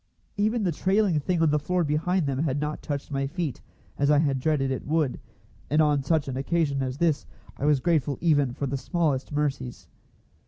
Even the trailing thing on the floor behind them had not touched my feet, as I had dreaded it would, and on such an occasion as this I was grateful even for the smallest mercies.